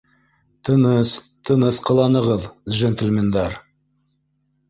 Тыныс, тыныс ҡыланығыҙ, джентельмендар